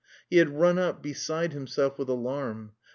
He had run up, beside himself with alarm.